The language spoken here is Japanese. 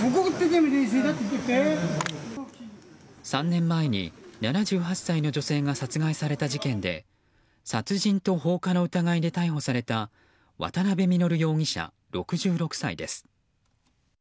３年前に７８歳の女性が殺害された事件で殺人と放火の疑いで逮捕された渡部稔容疑者、６６歳です。